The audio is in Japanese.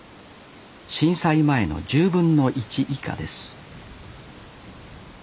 震災前の１０分の１以下です